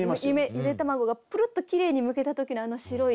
ゆで玉子がプルッときれいにむけた時のあの白い。